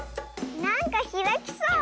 なんかひらきそう。